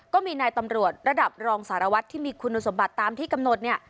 ก็มีนายตำรวจระดับรองสารวัตรที่มีคุณสมบัติตามที่กำหนดเนี่ย